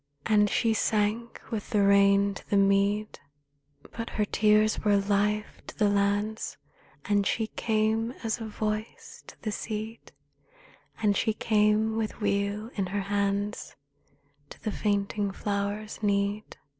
' And she sank in rain to the mead; But her tears were life to the lands, And she came as a voice to the seed, And she came with weal in her hands To the fainting flower's need.